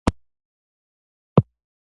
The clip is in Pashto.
د ننګرهار په خوږیاڼیو کې د تالک کانونه دي.